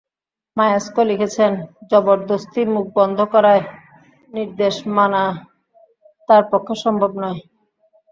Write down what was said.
মায়াঙ্ক লিখেছেন, জবরদস্তি মুখ বন্ধ করার নির্দেশ মানা তাঁর পক্ষে সম্ভব নয়।